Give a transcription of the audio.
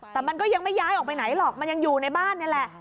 แต่มันก็ยังไม่ย้ายออกไปไหนหรอกมันยังอยู่ในบ้านนี่แหละ